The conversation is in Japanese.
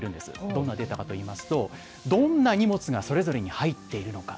どんなデータかといいますと、どんな荷物がそれぞれに入っているのか。